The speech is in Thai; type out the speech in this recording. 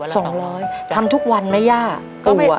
สองร้อยทำทุกวันไหมย่าก็ไม่